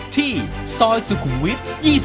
ที่ซอยสุขุวิท๒๖